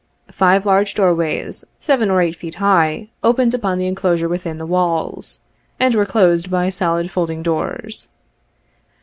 Five large doorways, seven or eight feet high, opened upon the enclosure within the walls, and were closed by solid fold ing doors.